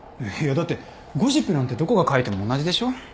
いやだってゴシップなんてどこが書いても同じでしょ？